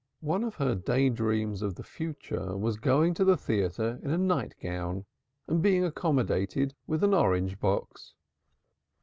One of her day dreams of the future was going to the theatre in a night gown and being accommodated with an orange box.